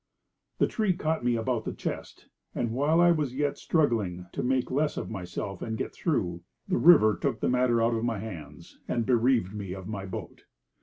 The tree caught me about the chest, and while I was yet struggling to make less of myself and get through, the river took the matter out of my hands, and bereaved me of my boat.